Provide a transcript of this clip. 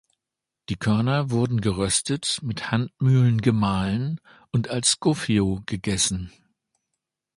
Die Körner wurden geröstet, mit Handmühlen gemahlen und als Gofio gegessen.